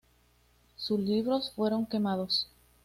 Sus libros fueron quemados.